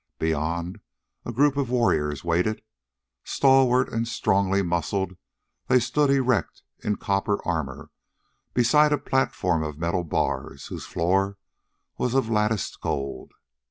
Beyond, a group of warriors waited. Stalwart and strongly muscled, they stood erect in copper armor beside a platform of metal bars, whose floor was of latticed gold.